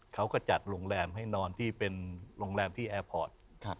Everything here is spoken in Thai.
เขาก็จัดโรงแรมให้นอนที่เป็นโรงแรมที่แอร์พอร์ต